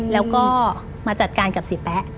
แล้วก็มาจัดการกับเสียแป๊ะ